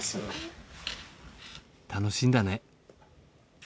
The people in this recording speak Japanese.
楽しいんだね。